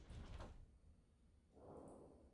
Es el segundo menos poblado del Brasil.